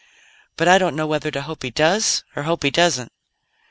"But I don't know whether to hope he does or hope he doesn't."